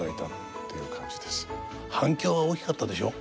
反響は大きかったでしょ？